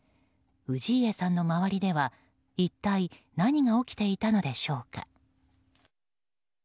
氏家さんの周りでは一体何が起きていたのでしょうか。